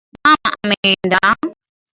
Mama ameenda